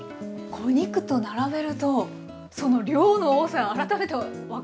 お肉と並べるとその量の多さ改めて分かりますね。